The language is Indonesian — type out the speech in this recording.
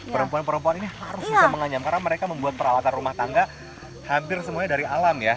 perempuan perempuan ini harus bisa menganyam karena mereka membuat peralatan rumah tangga hampir semuanya dari alam ya